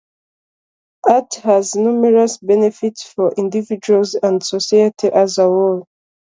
Art has numerous benefits for individuals and society as a whole.